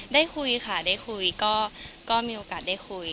ได้คุยค่ะได้คุยก็มีโอกาสได้คุย